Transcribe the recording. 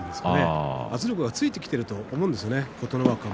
圧力がついてきていると思うんですね琴ノ若。